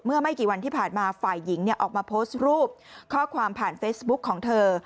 ไม่กี่วันที่ผ่านมาฝ่ายหญิงออกมาโพสต์รูปข้อความผ่านเฟซบุ๊กของเธอ